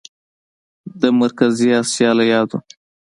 د مرکزي اسیا له یادو